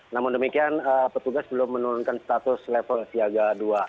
namun demikian petugas belum menurunkan status level siaga dua